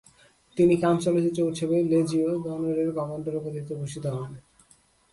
তিনি কান চলচ্চিত্র উৎসবে লেজিওঁ দনরের কমান্ডার উপাধিতে ভূষিত হন।